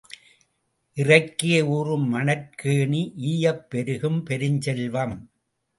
இறைக்க ஊறும் மணற்கேணி ஈயப் பெருகும் பெருஞ் செல்வம்.